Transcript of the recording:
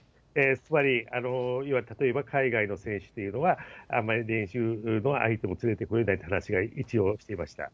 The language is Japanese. つまり要は、例えば海外の選手っていうのは、あんまり練習の相手も連れてこれないという話はしていました。